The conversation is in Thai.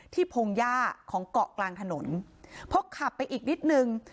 พงหญ้าของเกาะกลางถนนพอขับไปอีกนิดนึง